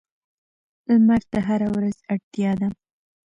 لمر ته هره ورځ اړتیا ده.